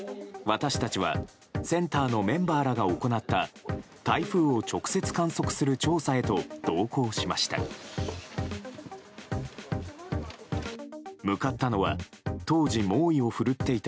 私たちはセンターのメンバーらが行った台風を直接観測する調査へと同行しました。